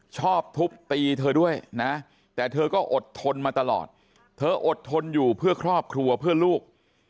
ชอบทุบตีเธอด้วยนะแต่เธอก็อดทนมาตลอดเธออดทนอยู่เพื่อครอบครัวเพื่อลูก